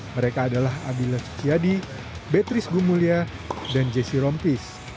mereka adalah abilash chiyadi beatrice gumulya dan jesse rompis